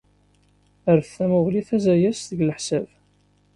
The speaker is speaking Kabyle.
Rret tamuɣli tazayezt deg leḥsab.